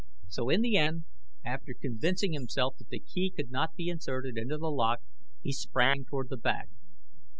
So in the end, after convincing himself that the key could not be inserted into the lock, he sprang toward the back.